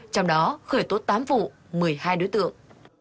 trong đó khởi tốt tám vụ một mươi hai đối tượng